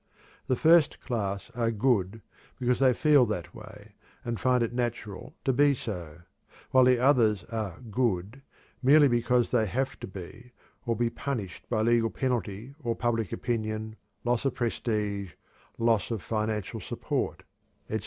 The first class are "good" because they feel that way and find it natural to be so; while the others are "good" merely because they have to be or be punished by legal penalty or public opinion, loss of prestige, loss of financial support, etc.